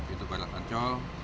itu padat ancol